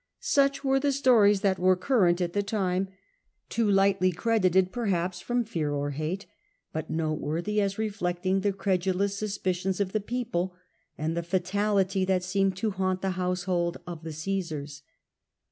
Such were the stories that were current at the time, too lightly credited perhaps from fear or hate, but noteworthy as reflecting the credulous suspicions of the people, and the fatality that seemed to haunt the household of the Caesars.